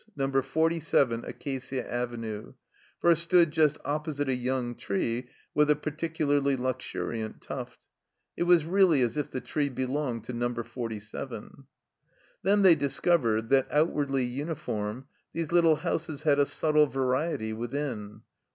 Number Forty seven Acacia Avenue, for it stood just opposite a young tree with a particularly luxuriant tuft. It was really as if the tree belonged to Number Forty seven. Then they discovered that, outwardly uniform, these little houses had a subtle variety within.